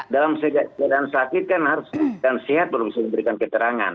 dalam keadaan sakit kan harus sehat untuk bisa memberikan keterangan